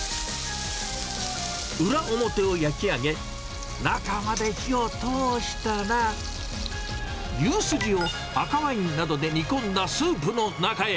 裏、表を焼き上げ、中まで火を通したら、牛スジを赤ワインなどで煮込んだスープの中へ。